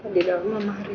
perioditas yang anda aturkan